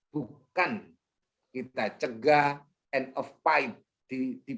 bukan kita cegah end of pipe di pipa terakhir seperti ini